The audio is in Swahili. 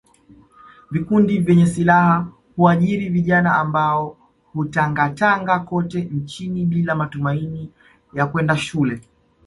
Vikundi vyenye silaha huajiri vijana ambao hutangatanga kote nchini bila matumaini ya kwenda shule